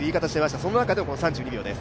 その中での３２秒です。